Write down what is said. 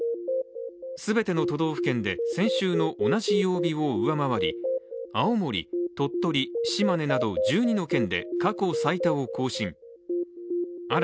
全ての都道府県で先週の同じ曜日を上回り青森、鳥取、島根など１２の県で過去最多を更新。